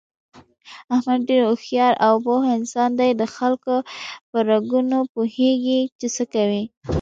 احمد ډېر هوښیار او پوه انسان دی دخلکو په رګونو پوهېږي، چې څه کوي...